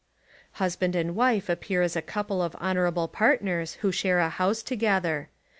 Husband and wife appear as a couple of honourable part ners who share a house together.